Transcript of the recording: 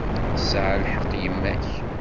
Tesɛa lḥeqq yemma-k.